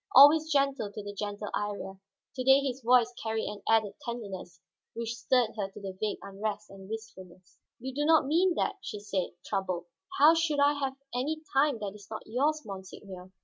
Always gentle to the gentle Iría, to day his voice carried an added tenderness which stirred her to vague unrest and wistfulness. "You do not mean that," she said, troubled. "How should I have any time that is not yours, monseigneur?